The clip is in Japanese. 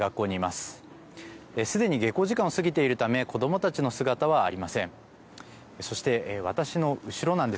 すでに下校時間を過ぎているため子どもたちの姿はありません。